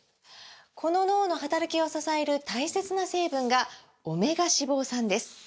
この脳の働きを支える大切な成分が「オメガ脂肪酸」です！